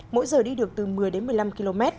mỗi giờ đi được từ một mươi đến một mươi năm km